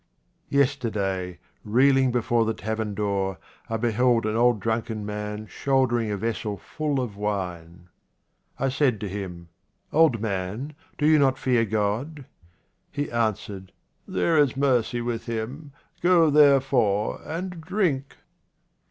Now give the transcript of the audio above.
Yesterday, reeling before the tavern door, I beheld an old drunken man shouldering a vessel full of wine. I said to him, u Old man, do you not fear God ?" He answered, "There is mercy with Him — go therefore and drink."